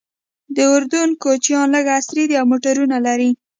د اردن کوچیان لږ عصري دي او موټرونه لري.